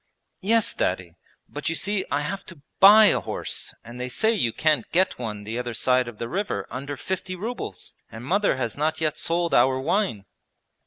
'Yes, Daddy, but you see I have to buy a horse; and they say you can't get one the other side of the river under fifty rubles, and mother has not yet sold our wine.'